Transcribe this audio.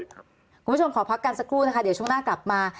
คุณผู้ชมขอพักกันสักครู่นะคะเดี๋ยวช่วงหน้ากลับมา